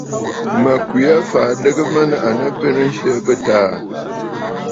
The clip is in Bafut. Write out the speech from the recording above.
Mə̀ kwe aa fàa adɨgə mə à nɨ abwenənsyɛ bɨ̂taà aà.